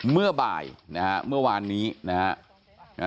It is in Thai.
เมื่อบ่ายนะฮะเมื่อวานนี้นะฮะ